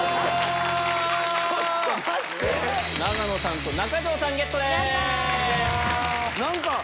永野さんと中条さんゲットです！